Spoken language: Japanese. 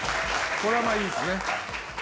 これはいいですね。